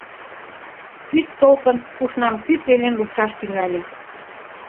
Вӱд толкын пушнам кӱ пелен лупшаш тӱҥале.